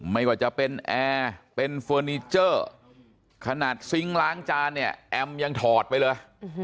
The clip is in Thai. ไม่ว่าจะเป็นแอร์เป็นเฟอร์นิเจอร์ขนาดซิงค์ล้างจานเนี่ยแอมยังถอดไปเลย